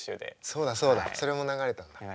そうだそうだそれも流れたんだ。